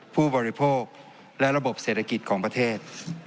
ผู้บริโภคและระบบเศรษฐกิจของประเทศ